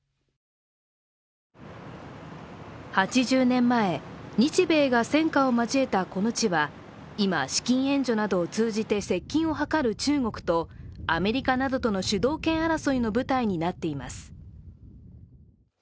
８０年前、日米が戦火を交えたこの地は今、資金援助などを通じて接近を図る中国とアメリカなどとの主導権争いの舞台になっています。